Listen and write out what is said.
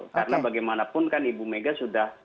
karena bagaimanapun kan ibu mega sudah